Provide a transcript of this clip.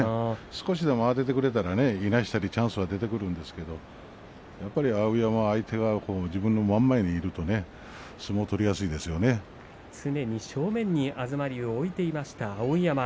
少しでも慌ててくれたら残したりチャンスは出てくるんですけどやっぱり碧山が相手が自分の真ん前にいると常に正面に東龍を置いていました碧山。